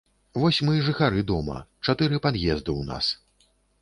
Вось мы жыхары дома, чатыры пад'езды ў нас.